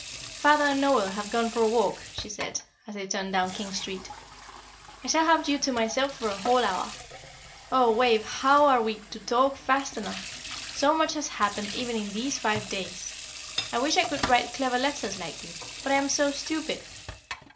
"Father and Noel have gone for a walk," she said, as they turned down King Street. "I shall have you to myself for a whole hour. Oh, Wave, how are we to talk fast enough! so much has happened even in these five days! I wish I could write clever letters like you. But I am so stupid!"